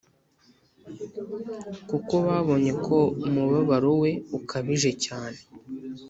kuko babonye ko umubabaro we ukabije cyane.